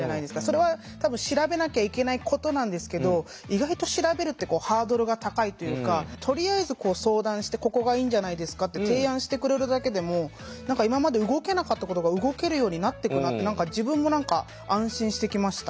それは多分調べなきゃいけないことなんですけど意外と調べるってハードルが高いというかとりあえず相談してここがいいんじゃないですかって提案してくれるだけでも何か今まで動けなかったことが動けるようになってくなって自分も何か安心してきました。